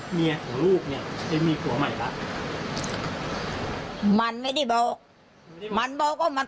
หลังเกิดเหตุได้ฟูลกับลูกหรือไม่